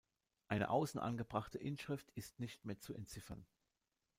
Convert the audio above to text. Eine außen angebrachte Inschrift ist nicht mehr zu entziffern.